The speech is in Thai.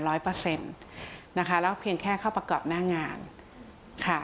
แล้วก็เพียงแค่เข้าประกอบหน้างานค่ะ